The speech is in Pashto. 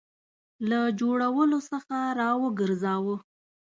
له جوړولو څخه را وګرځاوه.